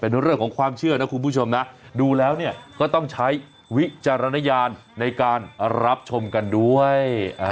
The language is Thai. เป็นเรื่องของความเชื่อนะคุณผู้ชมนะดูแล้วเนี่ยก็ต้องใช้วิจารณญาณในการรับชมกันด้วย